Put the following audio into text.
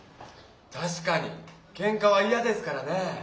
たしかにケンカはいやですからね。